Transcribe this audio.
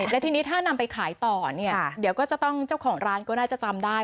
และทีนี้ถ้านำไปขายต่อเนี่ยเดี๋ยวก็จะต้องเจ้าของร้านก็น่าจะจำได้